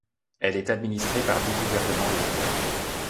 Elle est administrée par dix gouvernement locaux.